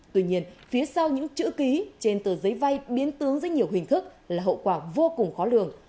tuy nhiên phía sau những chữ ký trên tờ giấy vay biến tướng dưới nhiều hình thức là hậu quả vô cùng khó lường